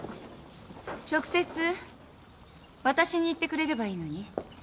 ・直接私に言ってくれればいいのに。